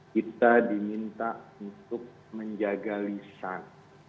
kita diminta untuk menjaga lisan